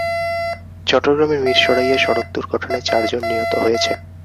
চট্টগ্রামের মিরসরাইয়ে সড়ক দুর্ঘটনায় চারজন নিহত হয়েছেন।